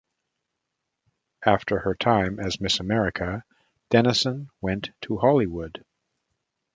After her time as Miss America, Dennison went to Hollywood.